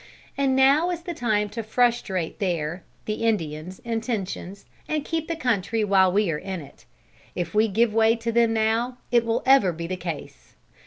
And now is the time to frustrate their (the Indians) intentions, and keep the country while we are in it. If we give way to them now, it will ever be the case.